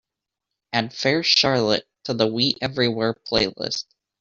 Add Fair Charlotte to the We Everywhere playlist.